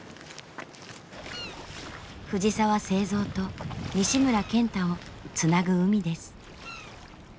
藤澤造と西村賢太をつなぐ海です。